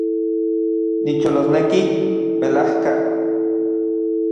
Nicholosneki, melajka